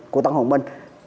của tân hồn minh